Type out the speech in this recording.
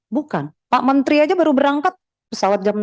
bukan pak menteri saja baru berangkat pesawat jam delapan belas